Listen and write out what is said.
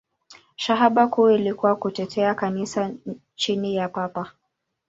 Shabaha kuu ilikuwa kutetea Kanisa chini ya Papa.